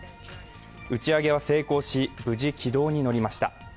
打ち上げは成功し、無事、軌道に乗りました。